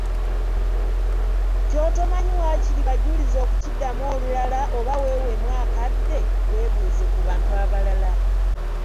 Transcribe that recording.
Ky’otamanyi waakiri bajulize okukiddamu olulala oba weeweemu akadde weebuuze ku bantu abalala.